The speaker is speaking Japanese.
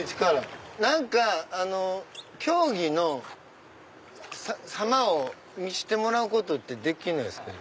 何か競技の様を見せてもらうことってできないですかね？